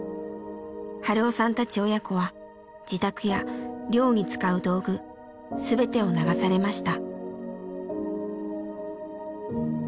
春雄さんたち親子は自宅や漁に使う道具全てを流されました。